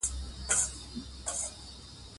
اداري نظام د خلکو د خدمت وسیله ده.